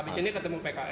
habis ini ketemu pks